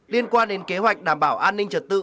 liên quan đến kế hoạch đảm bảo an ninh trật tự